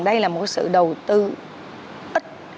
đây là một sự đầu tư ít